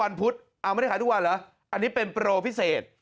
อันนี้เป็นโปรปิเศษ